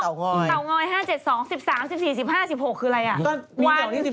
ต่าง้อย๕๗๒๑๓๑๔๑๕๑๖คืออะไร